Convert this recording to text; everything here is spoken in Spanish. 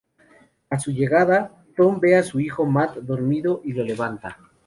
A su llegada, Tom ve a su hijo Matt dormido y lo levanta.